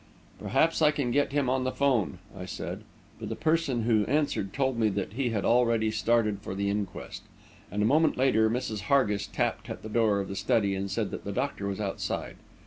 "Perhaps I can get him on the 'phone," I said; but the person who answered told me that he had already started for the inquest. And, a moment later, Mrs. Hargis tapped at the door of the study and said that the doctor was outside.